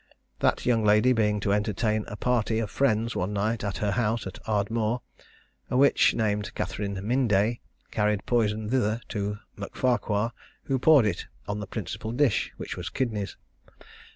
That young lady being to entertain a party of friends one night at her house at Ardmore, a witch, named Catherine Mynday, carried poison thither to M'Farquhar, who poured it on the principal dish, which was kidneys.